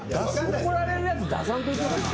怒られるやつ出さんといて。